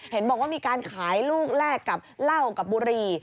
เห็นบอกว่ามีการขายลูกแรกกับเหล้ากับบุหรี่